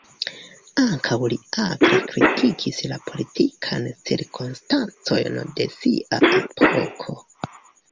Ankaŭ li akre kritikis la politikajn cirkonstancojn de sia epoko.